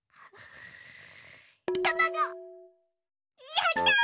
やった！